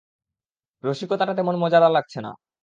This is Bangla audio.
রসিকতাটা তেমন মজাদার লাগছে না!